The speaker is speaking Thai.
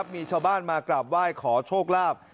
มีชาวบ้านมากราบไหว้ขอโชคลาภ